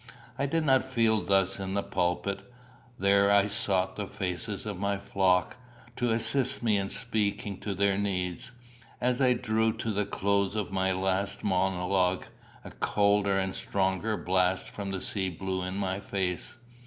I did not feel thus in the pulpit; there I sought the faces of my flock, to assist me in speaking to their needs. As I drew to the close of my last monologue, a colder and stronger blast from the sea blew in my face.